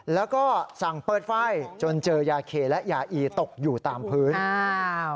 แล้วก็สั่งเปิดไฟจนเจอยาเคและยาอีตกอยู่ตามพื้นอ้าว